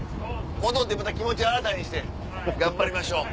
戻ってまた気持ち新たにして頑張りましょう。